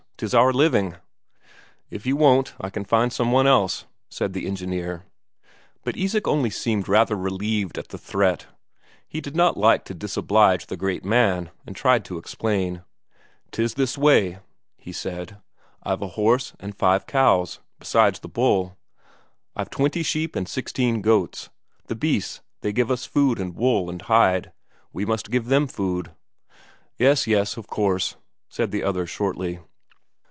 'Tis our living." "If you won't, I can find some one else," said the engineer. But Isak only seemed rather relieved at the threat. He did not like to disoblige the great man, and tried to explain. "'Tis this way," he said, "I've a horse and five cows, besides the bull. I've twenty sheep and sixteen goats. The beasts, they give us food and wool and hide; we must give them food." "Yes, yes, of course," said the other shortly.